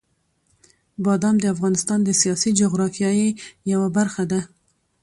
بادام د افغانستان د سیاسي جغرافیې یوه برخه ده.